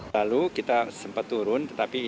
lalu kita sempat turun tetapi